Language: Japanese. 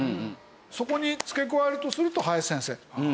そこに付け加えるとすると林先生。